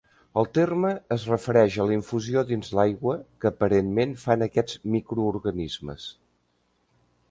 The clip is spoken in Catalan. El terme es refereix a la infusió dins l'aigua que aparentment fan aquests microorganismes.